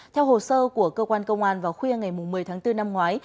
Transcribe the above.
theo hồ sơ của cơ quan công an vào khuya ngày một mươi tháng bốn năm ngoái